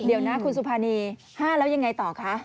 เดี๋ยวนะคุณสุภานี๕แล้วยังไงต่อคะ